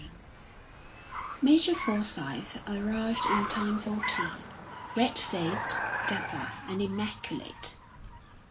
XIII Major Forsyth arrived in time for tea, red faced, dapper, and immaculate.